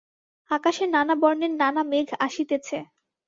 আকাশে নানাবর্ণের নানা মেঘ আসিতেছে।